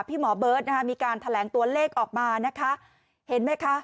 หมอเบิร์ตนะคะมีการแถลงตัวเลขออกมานะคะเห็นไหมคะ